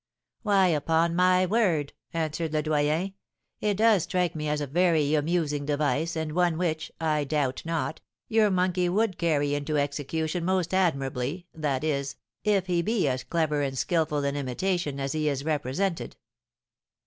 'Why, upon my word,' answered Le Doyen, 'it does strike me as a very amusing device, and one which, I doubt not, your monkey would carry into execution most admirably, that is, if he be as clever and skilful in imitation as he is represented.'